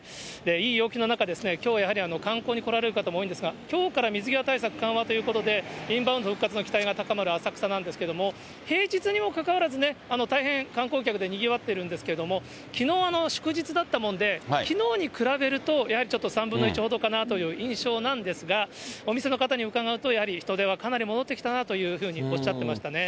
いい陽気の中、きょうやはり、観光に来られる方も多いんですが、きょうから水際対策緩和ということで、インバウンド復活の期待が高まる浅草なんですけれども、平日にもかかわらずね、大変観光客でにぎわってるんですけれども、きのう祝日だったもんで、きのうに比べると、やはりちょっと３分の１ほどかなという印象なんですが、お店の方に伺うと、やはり人出はかなり戻ってきたなというふうにおっしゃってましたね。